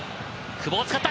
久保を使った。